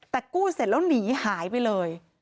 แต่กู้เสร็จแล้วหนีหายไปเลย